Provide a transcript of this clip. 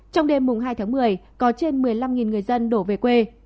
trong đêm hai tháng một mươi có trên một mươi năm người dân đổ về quê